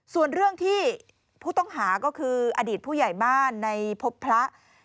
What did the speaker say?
ส่วนเรื่องที่ผู้ต้องหาก็คืออดีตผู้ใหญ่บ้านในพบพระ